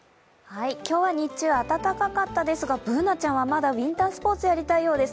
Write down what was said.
今日は日中、暖かかったですがＢｏｏｎａちゃんはまだウィンタースポーツをやりたいようです。